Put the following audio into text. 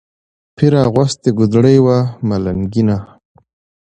پیر اغوستې ګودړۍ وه ملنګینه